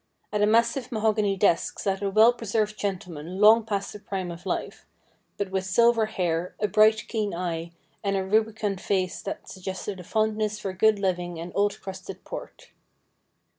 At a massive mahogany desk sat a well preserved gentleman long past the prime of life, but with silver hair, a bright, keen eye, and a rubicund face that suggested a fondness for good living and old crusted port.